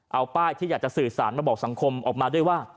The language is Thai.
เอาป้ายที่อยากจะสื่อสารมาบอกสังคมออกมาด้วยว่า